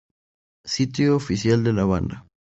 Sitio oficial de la banda